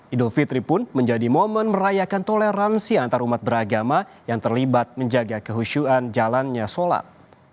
idul fitri pun menjadi momen merayakan toleransi antarumat beragama yang terlibat menjaga kehusyuan jalannya sholat